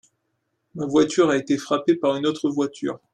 Ma voiture a été frappé par une autre voiture.